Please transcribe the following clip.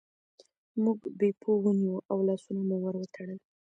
موږ بیپو ونیوه او لاسونه مو ور وتړل.